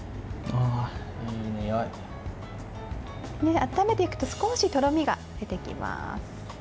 温めていくと少しとろみが出てきます。